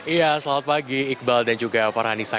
iya selamat pagi iqbal dan juga farhanisa